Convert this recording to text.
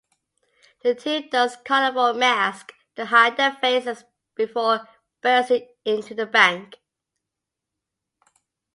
The team dons carnival masks to hide their faces before bursting into the bank.